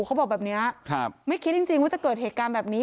เขาบอกแบบนี้ไม่คิดจริงว่าจะเกิดเหตุการณ์แบบนี้